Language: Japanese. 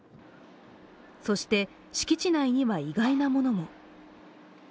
そして、敷地内には意外なものも。